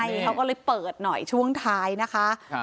ใช่เขาก็เลยเปิดหน่อยช่วงท้ายนะคะ